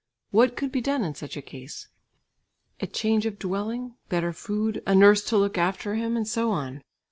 What could be done in such a case? A change of dwelling, better food, a nurse to look after him and so on.